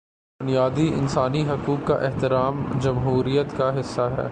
بنیادی انسانی حقوق کا احترام جمہوریت کا حصہ ہے۔